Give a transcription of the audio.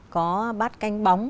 có bát canh bóng